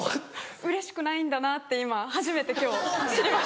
うれしくないんだなって今初めて今日知りました。